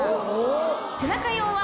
背中用は。